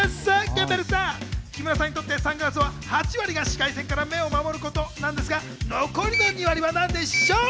キャンベルさん、木村さんにとってサングラスは８割が紫外線から目を守ることなんですが、残りの２割は何でしょう？